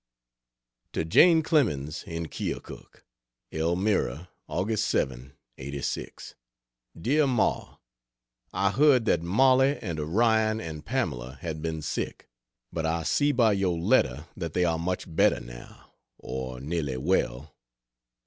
To Jane Clemens, in Keokuk: ELMIRA, Aug. 7, '86. DEAR MA, I heard that Molly and Orion and Pamela had been sick, but I see by your letter that they are much better now, or nearly well.